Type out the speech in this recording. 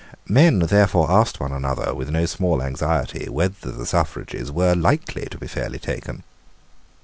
Men therefore asked one another, with no small anxiety, whether the suffrages were likely to be fairly taken.